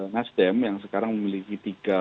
nasdem yang sekarang memiliki tiga